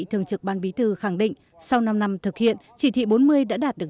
thường trực ban bí thư khẳng định sau năm năm thực hiện chỉ thị bốn mươi đã đạt được